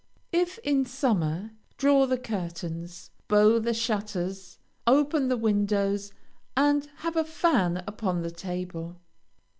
If in summer, draw the curtains, bow the shutters, open the windows, and have a fan upon the table.